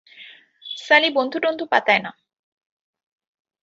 সালি বন্ধু-টন্ধু পাতায় না।